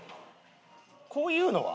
こういうのは？